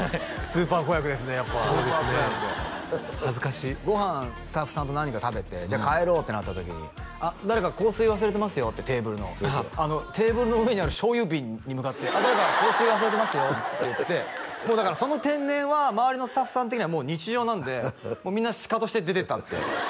スーパー子役や恥ずかしいご飯スタッフさんと何人かで食べてじゃあ帰ろうってなった時に「あっ誰か香水忘れてますよ」ってテーブルのテーブルの上にある醤油瓶に向かって「あっ誰か香水忘れてますよ」っていってその天然は周りのスタッフさん的には日常なんでみんなシカトして出ていったって